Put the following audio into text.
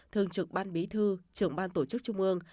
thường trực ban bí thư trưởng ban tổ chức trung ương